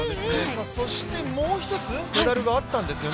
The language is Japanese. そして、もう一つ、メダルがあったんですよね。